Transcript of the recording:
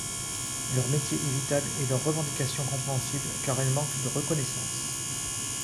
Leur métier est vital et leurs revendications compréhensibles car elles manquent de reconnaissance.